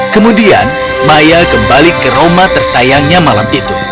kemudian maya kembali ke rumah tersayangnya malam itu